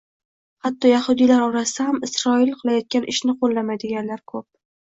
Hatto yahudiylar orasida ham Isroil qilayotgan ishni qo‘llamaydiganlar ko‘p